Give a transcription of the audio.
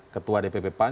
ketua dpp pan